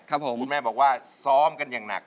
คุณแม่บอกว่าซ้อมกันอย่างหนัก